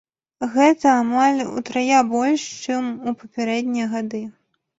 Гэта амаль утрая больш, чым у папярэднія гады.